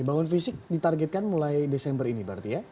bangun fisik ditargetkan mulai desember ini berarti ya